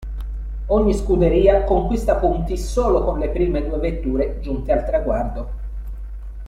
Ogni scuderia conquista punti solo con le prime due vetture giunte al traguardo.